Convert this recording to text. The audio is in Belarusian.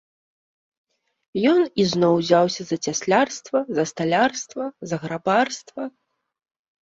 Ён зноў узяўся за цяслярства, за сталярства, за грабарства.